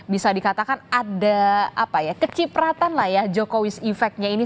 bisa dikatakan ada apa ya kecipratan lah ya jokowis effectnya ini